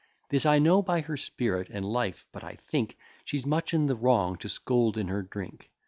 This I know by her spirit and life; but I think She's much in the wrong to scold in her drink.